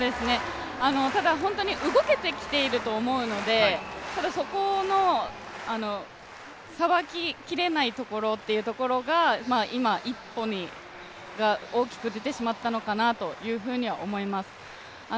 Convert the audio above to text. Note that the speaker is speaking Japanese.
ただ、動けてきていると思うのでただそこのさばききれないところというのが、今、一歩が大きく出てしまったのかなというふうには思います。